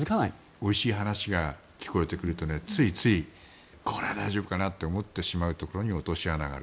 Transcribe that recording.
おいしい話が聞こえてくるとついつい、これは大丈夫かなって思ってしまうところに落とし穴がある。